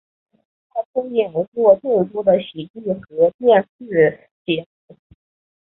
他出演过众多的喜剧和电视节目。